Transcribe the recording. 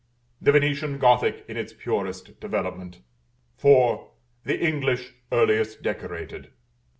The Venetian Gothic in its purest developement; 4. The English earliest decorated.